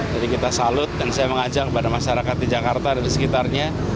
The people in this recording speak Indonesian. jadi kita salut dan saya mengajak kepada masyarakat di jakarta dan di sekitarnya